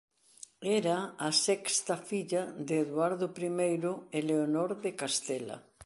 Era a sexta filla de Eduardo I e Leonor de Castela.